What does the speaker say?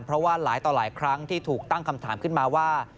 เพราะว่าหลายต่อหลายครั้งที่ถูกตั้งคำถามขึ้นมาว่า